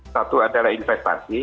satu adalah investasi